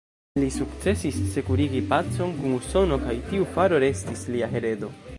Li sukcesis sekurigi pacon kun Usono kaj tiu faro restis lia heredo.